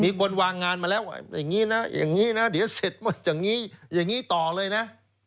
มีคนวางงานมาแล้วอย่างนี้นะอย่างนี้นะเดี๋ยวเสร็จว่าอย่างนี้อย่างนี้ต่อเลยนะ